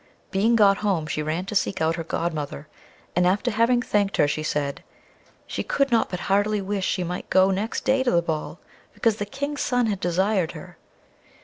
Being got home, she ran to seek out her godmother, and after having thanked her, she said, "she could not but heartily wish she might go next day to the ball, because the King's son had desired her."